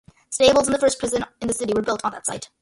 Stables and the first prison in the city were built on that site.